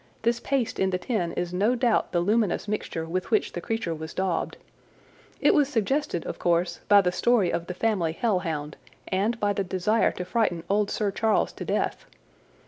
This paste in the tin is no doubt the luminous mixture with which the creature was daubed. It was suggested, of course, by the story of the family hell hound, and by the desire to frighten old Sir Charles to death.